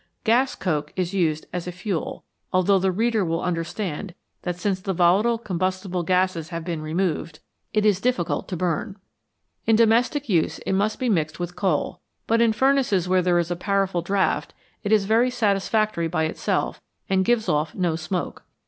Gas coke is used as a fuel, although the reader will understand that since the volatile combustible gases have been removed, it is rather 147 MORE ABOUT FUEL difficult to bum. In domestic use it must be mixed with coal, but in furnaces where there is a powerful draught, it is very satisfactory by itself and gives off no smoke.